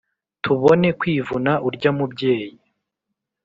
tubone kwivuna urya mubyeyi.